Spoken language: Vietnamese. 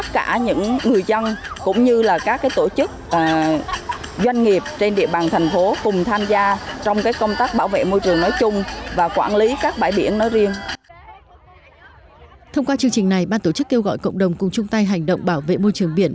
thông qua chương trình này ban tổ chức kêu gọi cộng đồng cùng chung tay hành động bảo vệ môi trường biển